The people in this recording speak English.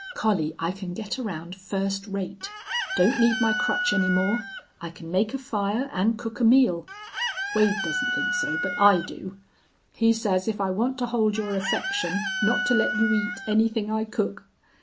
"Collie, I can get around first rate. Don't need my crutch any more. I can make a fire and cook a meal. Wade doesn't think so, but I do. He says if I want to hold your affection, not to let you eat anything I cook.